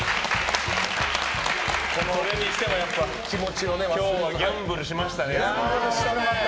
それにしても今日もギャンブルしましたね。